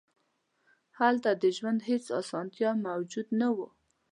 هلته د ژوند هېڅ اسانتیا موجود نه وه.